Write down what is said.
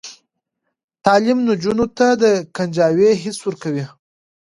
تعلیم نجونو ته د کنجکاوۍ حس ورکوي.